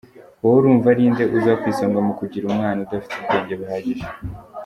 Wowe urumva ari nde uza ku isonga mu kugira umwana udafite ubwenge buhagije ?.